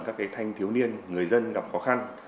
các thanh thiếu niên người dân gặp khó khăn